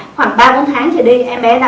khoảng ba bốn tháng trở đi em bé đã